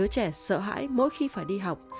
trẻ sợ hãi mỗi khi phải đi học